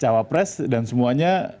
cawa press dan semuanya